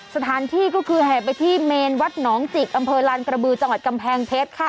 สถานที่ก็คือแห่ไปที่เมนวัดหนองจิกอำเภอลานกระบือจังหวัดกำแพงเพชรค่ะ